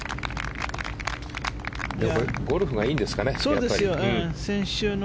ゴルフがいいんですかね